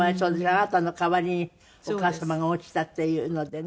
あなたの代わりにお母様が落ちたっていうのでね。